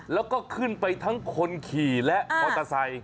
แล้วก็ขึ้นไปทั้งคนขี่และมอเตอร์ไซค์